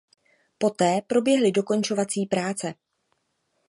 Poté proběhly dokončovací práce.